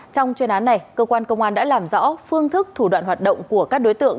trong chuyên án này cơ quan công an đã làm rõ phương thức thủ đoạn hoạt động của các đối tượng